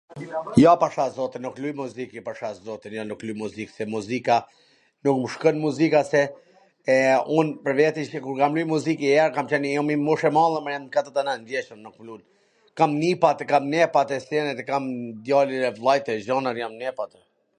Jo. pasha zotin, nuk luj muzik, jo pasha zotin, jo nuk luj muzik se muzika, nuk mw shkon muzika se ... eee... un pwr veti qw kur kam luj muzik njw her kam qen... jam njw mosh e madhe more... jam katwrdhet e nand vjeC, nuk lu, kam nipat, kam nepat e senet e kam djalin e vllait e gjanat... jan nepat....